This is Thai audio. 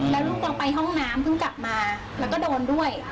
แล้วลูกเราไปห้องน้ำเพิ่งกลับมาแล้วก็โดนด้วย